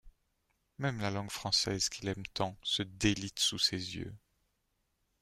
Même la langue française qu'il aime tant se délite sous ses yeux.